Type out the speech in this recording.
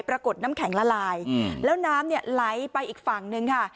น้ำแข็งละลายแล้วน้ำเนี่ยไหลไปอีกฝั่งนึงค่ะ